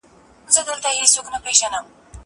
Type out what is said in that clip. زه مخکي کتابونه ليکلي وو.